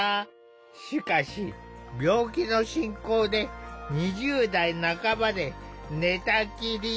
しかし病気の進行で２０代半ばで寝たきりに。